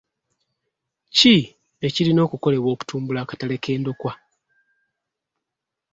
Ki ekirina okukolebwa okutumbula akatale k'endokwa?